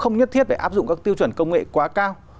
không nhất thiết để áp dụng các tiêu chuẩn công nghệ quá cao